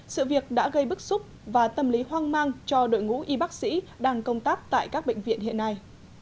sự việc đã gây bức xúc và tâm lý hoang mang cho đội ngũ y bác sĩ đang công tác tại các bệnh viện hiện nay